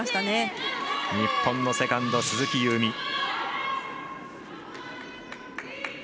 日本のセカンド、鈴木夕湖。